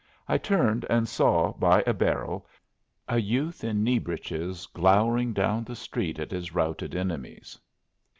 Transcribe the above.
I turned and saw, by a barrel, a youth in knee breeches glowering down the street at his routed enemies.